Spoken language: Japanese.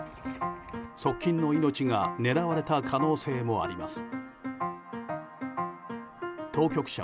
側近の命が狙われた可能性もあります。